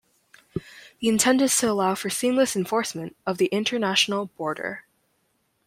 The intent is to allow for seamless enforcement of the international border.